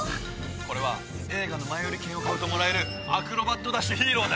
これは映画の前売券を買うともらえるアクロバットダッシュヒーローだ。